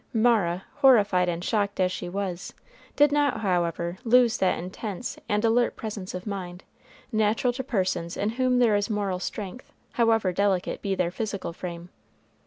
Mara, horrified and shocked as she was, did not, however, lose that intense and alert presence of mind, natural to persons in whom there is moral strength, however delicate be their physical frame.